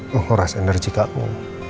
menghoras energi kamu